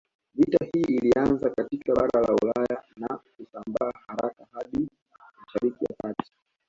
Vita hii ilianzia katika bara la Ulaya na kusambaa haraka hadi Mshariki ya kati